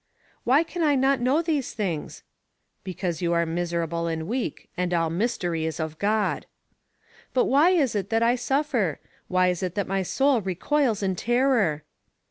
"Why can I not know these things?" "Because you are miserable and weak, and all mystery is of God." "But why is it that I suffer? Why is it that my soul recoils in terror?"